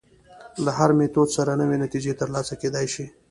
له هر میتود سره نوې نتیجې تر لاسه کېدای شي.